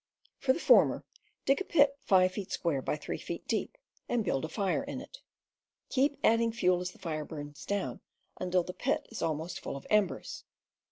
For the former, dig a pit 5 feet square by 3 feet deep and build a fire in it. Keep adding fuel as the fire burns down, until the pit is almost full of embers.